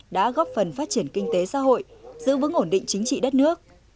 đã góp phần phát triển kinh tế xã hội giữ vững ổn định chính trị đất nước